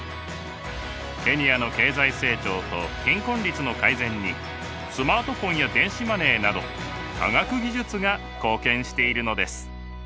ケニアの経済成長と貧困率の改善にスマートフォンや電子マネーなど科学技術が貢献しているのです。